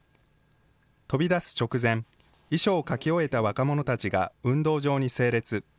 飛び出す直前、遺書を書き終えた若者たちが運動場に整列。